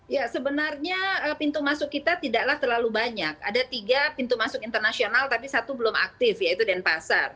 ya sebenarnya pintu masuk kita tidaklah terlalu banyak ada tiga pintu masuk internasional tapi satu belum aktif yaitu denpasar